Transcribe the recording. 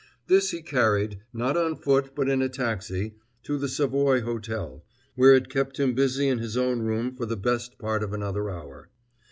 This he carried, not on foot but in a taxi, to the Savoy Hotel, where it kept him busy in his own room for the best part of another hour.